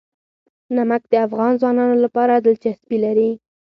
نمک د افغان ځوانانو لپاره دلچسپي لري.